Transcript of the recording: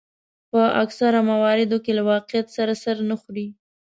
په اکثرو مواردو کې له واقعیت سره سر نه خوري.